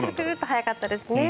速かったですね。